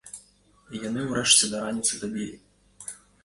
І яны ўрэшце да раніцы дабілі.